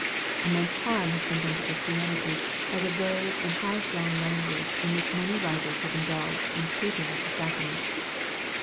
Immense harm has been done to Christianity by the vague and high flown language in which many writers have indulged in treating of the sacrament.